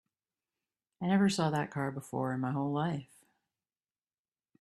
I never saw that car before in my whole life.